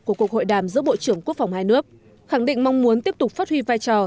của cuộc hội đàm giữa bộ trưởng quốc phòng hai nước khẳng định mong muốn tiếp tục phát huy vai trò